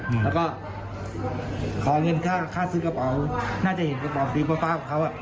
แล้วก็ขอเงินค่าค่าซื้อกระเป๋าน่าจะเห็นกระเป๋าพี่ป้าของเขาอะ